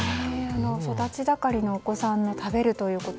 育ちざかりのお子さんの食べるということ